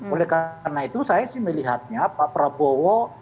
oleh karena itu saya sih melihatnya pak prabowo